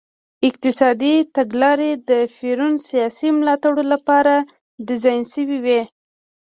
اقتصادي تګلارې د پېرون سیاسي ملاتړو لپاره ډیزاین شوې وې.